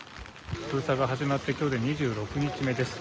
封鎖が始まって、きょうで２６日目です。